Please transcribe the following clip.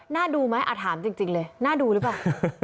ดูไหมถามจริงเลยน่าดูหรือเปล่า